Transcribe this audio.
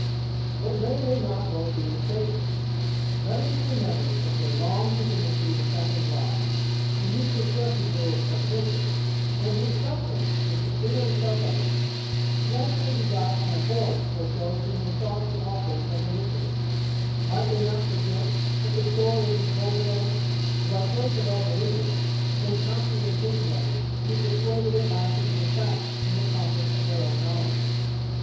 'But may they not both be mistaken? Let it be remembered that their long intimacy with Captain Bligh, in whose distresses they were partakers, and whose sufferings were severely felt by them, naturally begot an abhorrence towards those whom they thought the authors of their misery, might they not forget that the story had been told to them, and by first of all believing, then constantly thinking of it, be persuaded at last it was a fact within the compass of their own knowledge.